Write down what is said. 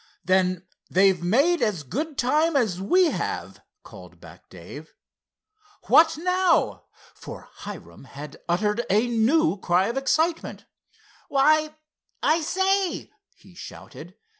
"Then they've made as good time as we have," called back Dave. "What now?" for Hiram had uttered a new cry of excitement. "Why, I say!" he shouted.